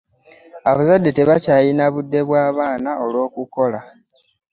Abazadde tebakyalina budde bw'abaana olw'okukola.